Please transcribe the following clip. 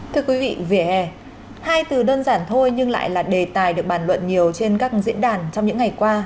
thưa quý vị vỉa hè hai từ đơn giản thôi nhưng lại là đề tài được bàn luận nhiều trên các diễn đàn trong những ngày qua